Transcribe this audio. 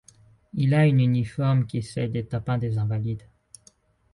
Il a une uniforme qui est celle des tapins des invalides.